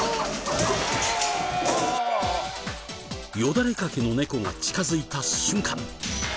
よだれ掛けのネコが近づいた瞬間。